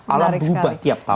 alam berubah tiap tahun